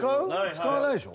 使わないでしょ？